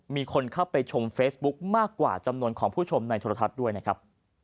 มีคนเข้าไปชมเฟซบุ๊คมากกว่าจำนวนของผู้ชมในโทรทัศน์ด้วยนะครับ